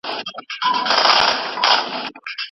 پانګوالو ته د نويو فابريکو د جوړولو اجازه سته.